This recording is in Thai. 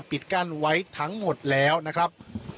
ปิดกั้นไว้ทั้งหมดแล้วนะครับ